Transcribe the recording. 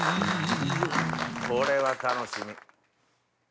これは楽しみ。